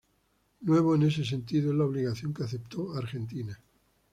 Nuevo en ese sentido es la obligación que aceptó Argentina:.